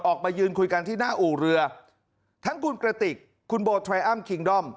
ออกมายืนคุยกันที่หน้าอู่เรือทั้งคุณกระติกคุณโบไทรอัมคิงด้อม